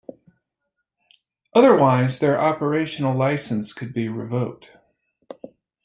Otherwise their operational license could be revoked.